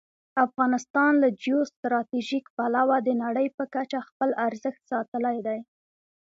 افغانستان له جیو سټراټژيک پلوه د نړۍ په کچه خپل ارزښت ساتلی دی.